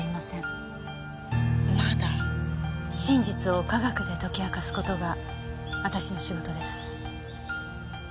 真実を科学で解き明かす事が私の仕事です。